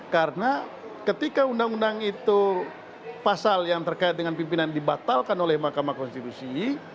karena ketika undang undang itu pasal yang terkait dengan pimpinan dibatalkan oleh mahkamah konstitusi